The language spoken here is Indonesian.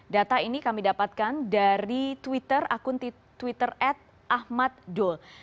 data ini kami dapatkan dari twitter akun twitter at ahmad dul